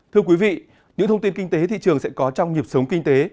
thưa quý vị những thông tin kinh tế thị trường sẽ có trong nhịp sống kinh tế